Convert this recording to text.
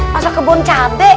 masak kebun cabai